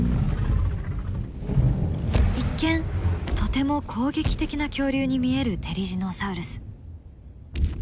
一見とても攻撃的な恐竜に見えるテリジノサウルス。